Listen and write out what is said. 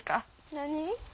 何？